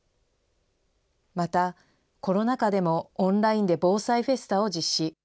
また、コロナ禍でもオンラインで防災フェスタを実施。